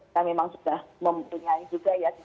kita memang sudah mempunyai juga ya